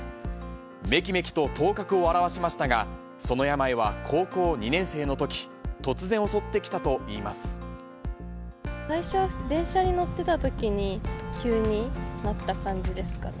めきめきと頭角を現しましたが、その病は高校２年生のとき、最初は電車に乗ったときに、急になった感じですかね。